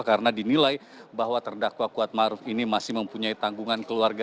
karena dinilai bahwa terdakwa kuatmaruf ini masih mempunyai tanggungan keluarga